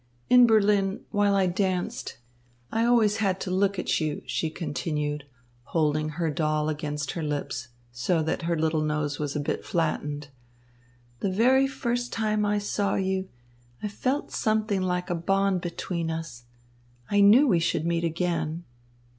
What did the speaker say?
"In Berlin, while I danced, I always had to look at you," she continued, holding her doll against her lips so that her little nose was a bit flattened. "The very first time I saw you, I felt something like a bond between us; I knew we should meet again."